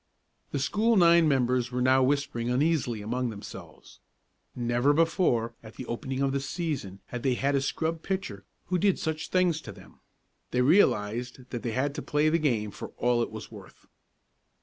The school nine members were now whispering uneasily among themselves. Never before, at the opening of the season had they had a scrub pitcher who did such things to them. They realized that they had to play the game for all it was worth.